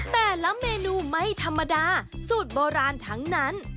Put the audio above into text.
แต่ละเมนูไม่ธรรมดาสูตรโบราณทั้งนั้น